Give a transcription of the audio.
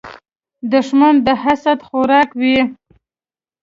دښمن د حسد خوراک وي